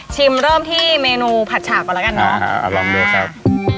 เริ่มที่เมนูผัดฉากก่อนแล้วกันเนอะอ่าลองดูครับ